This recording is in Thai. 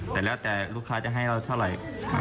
แต่แล้วแต่ลูกค้าจะให้เราเท่าไหร่